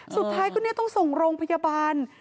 สุดท้ายก็เนี่ยต้องส่งโรงพยาบาล